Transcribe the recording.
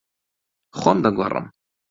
خۆم دەگۆڕم.